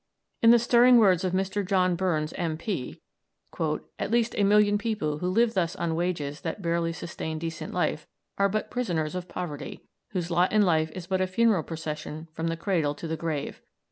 In the stirring words of Mr. John Burns, M.P.: "At least a million of people who live thus on wages that barely sustain decent life, are but prisoners of poverty, whose lot in life is but a funeral procession from the cradle to the grave